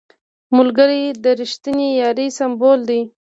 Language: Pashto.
ملګری د رښتینې یارۍ سمبول دی